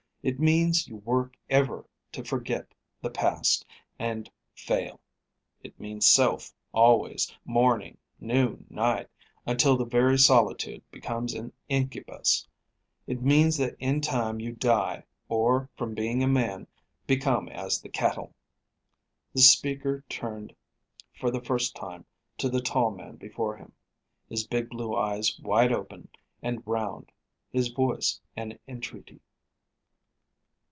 It means you work ever to forget the past and fail. It means self, always; morning, noon, night; until the very solitude becomes an incubus. It means that in time you die, or, from being a man, become as the cattle." The speaker turned for the first time to the tall man before him, his big blue eyes wide open and round, his voice an entreaty.